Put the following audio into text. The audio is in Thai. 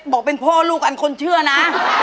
บอกเป็นพ่อลูกอันคนเชื่อนะ